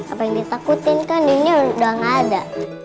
apa yang ditakutin kan ini udah gak ada